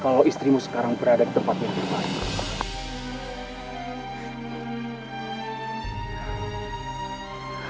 kalau istrimu sekarang berada di tempat yang terbaik